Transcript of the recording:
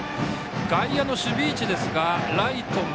外野の守備位置ですがライト、前。